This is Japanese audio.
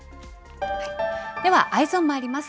では、Ｅｙｅｓｏｎ、まいります。